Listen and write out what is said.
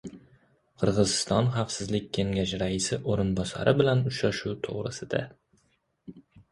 Qirg‘iziston Xavfsizlik kengashi raisi o‘rinbosari bilan uchrashuv to‘g‘risida